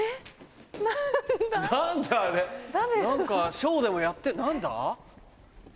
ショーでもやって何だ？